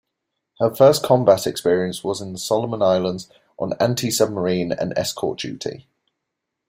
Her first combat experience was in the Solomon Islands on anti-submarine and escort duty.